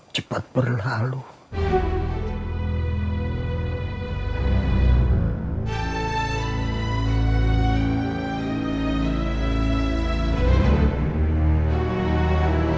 coba tandang ntar makan buaya